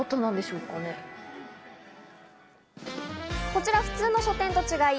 こちら、普通の書店と違い